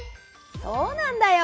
そうなんだよ。